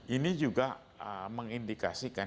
ini juga mengindikasikan